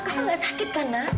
kafa nggak sakit kan nah